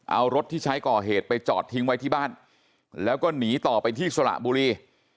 เอารถที่ใช้ก่อเหตุไปจอดทิ้งไว้ที่บ้านแล้วก็หนีต่อไปที่สระบุรี